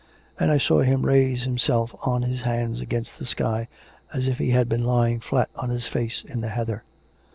And I saw him raise himself on his hands against the sky, as if he had been lying flat on his face in the heather.